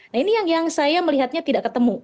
nah ini yang saya melihatnya tidak ketemu